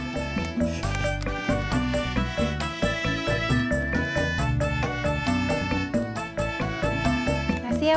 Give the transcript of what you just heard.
terima kasih ya bang